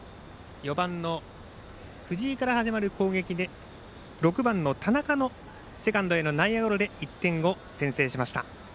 ４番の藤井から始まる攻撃で６番の田中のセカンドへの内野ゴロで１点を先制しました。